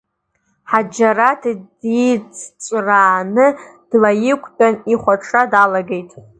Ҳаџьараҭ диҵҵәрааны длаиқәтәан ихәаҽра далагеит.